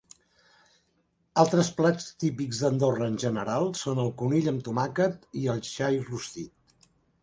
Altres plats típics d'Andorra en general són el conill amb tomàquet i el xai rostit.